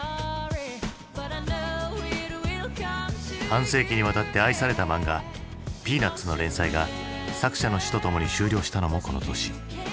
半世紀にわたって愛された漫画「ピーナッツ」の連載が作者の死とともに終了したのもこの年。